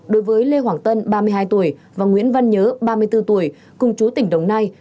đối với lê hoàng tân ba mươi hai tuổi và nguyễn văn nhớ ba mươi bốn tuổi cùng chú tỉnh đồng nai